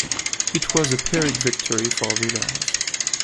It was a Pyrrhic victory for Villars.